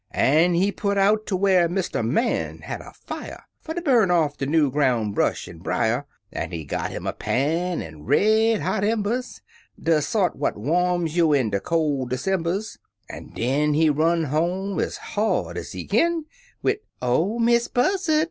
An' he put out ter whar Mr. Man had a fier Fer ter burn off de new groun* brush an" brier, An' he got 'im a pan er red hot embers, De sort what warms you in de col' Decembers; An' den he run home ez hard ez he kin, Wid, "Oh, Miss Buzzard!